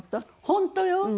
本当よ。